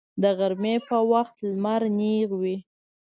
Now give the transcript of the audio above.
د غرمې په وخت لمر نیغ وي